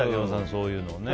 そういうのね。